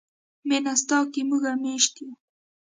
مینه ستا کې موږ میشته یو.